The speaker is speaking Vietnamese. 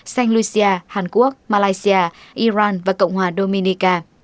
saint lucia hàn quốc malaysia iran và cộng hòa dominica